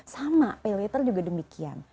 sama pay later juga demikian